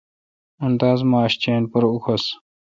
ممتاز ماݭہ چین پر اوکھس۔